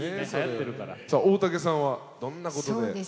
さあ大竹さんはどんなことで。